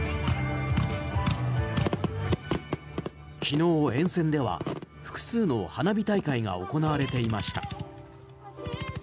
昨日、沿線では複数の花火大会が行われていました。